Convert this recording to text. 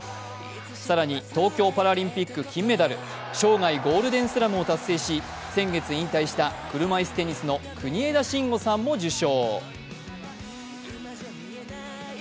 更に、東京パラリンピック金メダル生涯ゴールデンスラムを達成し、先月引退した車いすテニスの国枝慎吾さんも受賞。